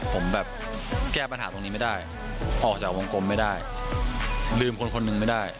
ผมแบบแก้ปัญหาตรงนี้ไม่ได้ออกจากวงกลมไม่ได้ลืมคนคนหนึ่งไม่ได้